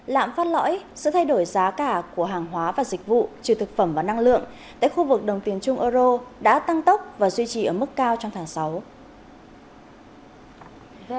lạm phát lõi sự thay đổi giá cả của hàng hóa và dịch vụ trừ thực phẩm và năng lượng tại khu vực đồng tiền trung euro đã tăng tốc và duy trì ở mức cao trong tháng sáu